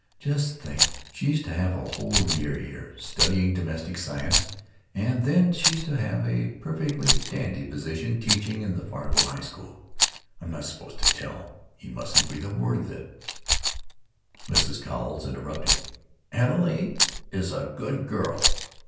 Just think, she's to have a whole year here, studying domestic science, and then she's to have a perfectly dandy position teaching in the Fargo High School. I'm not supposed to tell—you mustn't breathe a word of it——" Mrs. Cowles (interrupting): "Adelaide is a good girl....